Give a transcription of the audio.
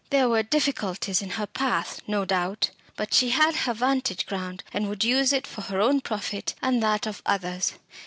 There were difficulties in her path, no doubt but she had her vantage ground, and would use it for her own profit and that of others.